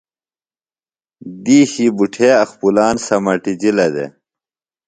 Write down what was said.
دِیشیۡ بُٹھے اخپُلان سمَٹِجِلہ دےۡ۔